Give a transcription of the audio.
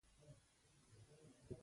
له ټول افغانستان څخه له خلکو حق غواړي.